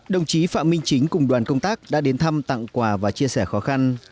đồng chí phạm minh chính cùng đoàn công tác đã đến thăm tặng quà và chia sẻ khó khăn